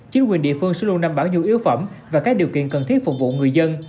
chính quyền địa phương sẽ luôn đảm bảo nhu yếu phẩm và các điều kiện cần thiết phục vụ người dân